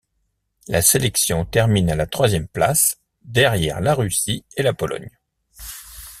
La sélection termine à la troisième place, derrière la Russie et la Pologne.